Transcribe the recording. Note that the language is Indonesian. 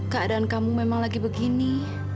keadaan kamu memang lagi begini